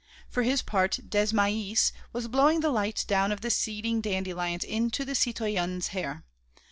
For his part, Desmahis was blowing the light down of the seeding dandelions into the citoyennes' hair.